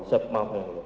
siap maaf yang mulia